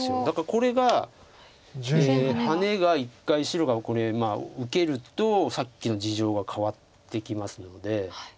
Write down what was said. だからこれがハネが１回白がこれ受けるとさっきの事情が変わってきますので。